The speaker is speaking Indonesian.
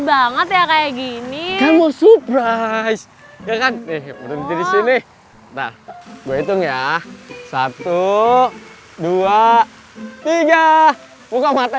banget ya kayak gini kamu surprise kan nih berhenti di sini nah gue hitung ya satu ratus dua puluh tiga buka mata